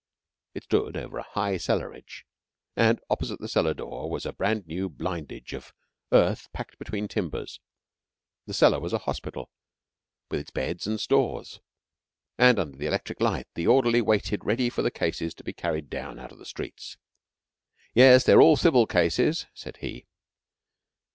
It stood over a high cellarage, and opposite the cellar door was a brand new blindage of earth packed between timbers. The cellar was a hospital, with its beds and stores, and under the electric light the orderly waited ready for the cases to be carried down out of the streets. "Yes, they are all civil cases," said he.